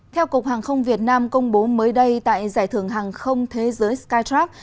theo cục hàng không việt nam công bố mới đây tại giải thưởng hàng không thế giới skytrax